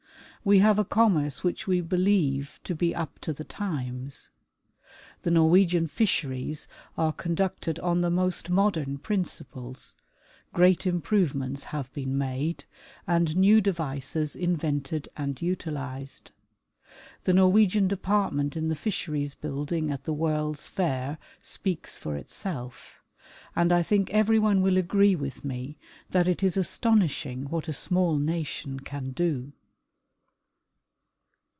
We have a commerce which we believe to be up to the times. The Norwegian fisheries are conducted on the most modern princii3les ; great improve ments have been made, and new devices invented and utilized. The Norwegian department in the Fisheries building at the World's Fair speaks for itself, and I think every one will agree with me that it is astonishing what a small nation can do.